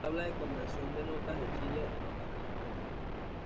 Tabla de conversión de notas de Chile a notas Alemanas